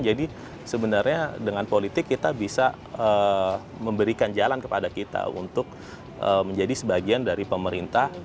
jadi sebenarnya dengan politik kita bisa memberikan jalan kepada kita untuk menjadi sebagian dari pemerintah